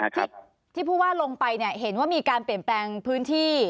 ที่ผู้ว่าลงไปเนี่ยเห็นว่ามีการเปลี่ยนแปลงพื้นที่